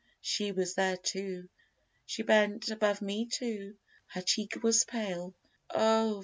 She was there too: She bent above me too: her cheek was pale, Oh!